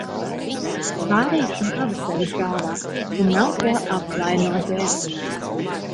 Pārītim pavasaris galvā un nav ko apvainoties.